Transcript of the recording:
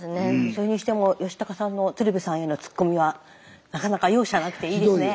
それにしても吉高さんの鶴瓶さんへのツッコミはなかなか容赦なくていいですね。